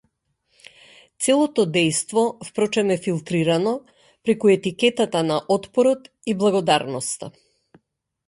Целото дејство впрочем е филтритано преку етикетата на отпорот и благородноста.